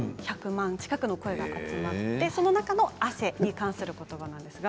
１００万近くの声が集まって汗に関することばです。